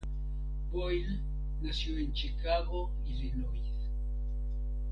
Boyle nació en Chicago, Illinois.